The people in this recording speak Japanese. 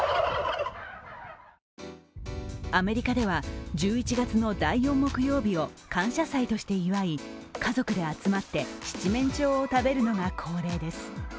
アメリカでは、１１月の第４木曜日を感謝祭として祝い家族で集まって七面鳥を食べるのが恒例です。